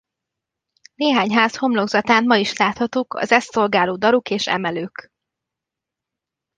Néhány ház homlokzatán ma is láthatók az ezt szolgáló daruk és emelők.